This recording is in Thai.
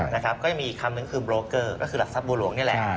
นะครับก็ยังมีอีกคำนึงคือโบรกเกอร์ก็คือหลักทรัพย์บัวหลวงนี่แหละ